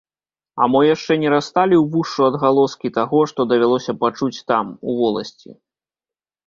А мо яшчэ не расталі ўвушшу адгалоскі таго, што давялося пачуць там, у воласці?